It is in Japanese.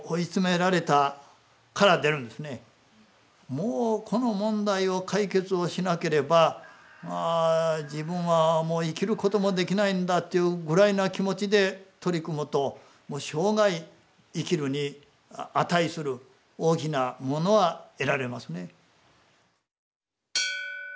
もうこの問題を解決しなければ自分はもう生きることもできないんだっていうぐらいな気持ちで取り組むともう生涯生きるに値する大きなものは得られますね。